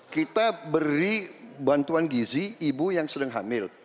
kita beri bantuan gizi ibu yang sedang hamil